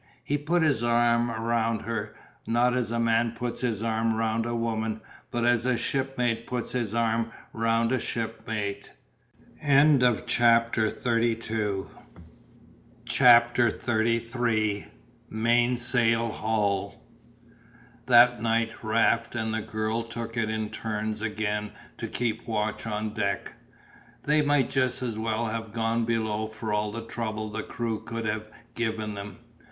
He put his arm round her, not as a man puts his arm round a woman, but as a shipmate puts his arm round a shipmate. CHAPTER XXXIII MAINSAIL HAUL That night Raft and the girl took it in turns again to keep watch on deck. They might just as well have gone below for all the trouble the crew could have given them.